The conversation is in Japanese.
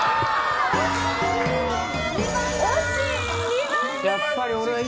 惜しい！